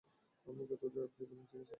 আমরা তোমাকে ড্রাইভ দেব, ঠিক আছে?